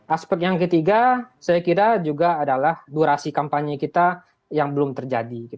aspek yang ketiga saya kira juga adalah durasi kampanye kita yang belum terjadi